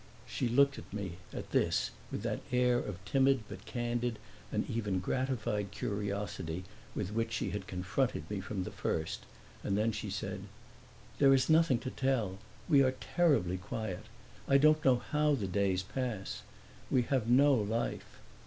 She looked at me, at this, with that air of timid but candid and even gratified curiosity with which she had confronted me from the first; and then she said, "There is nothing to tell. We are terribly quiet. I don't know how the days pass. We have no life."